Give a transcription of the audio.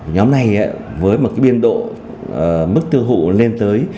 nhóm này với một cái biên độ mức tiêu hụ lên tới